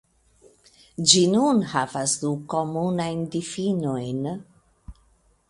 Ĝi nun havas du komunajn difinojn.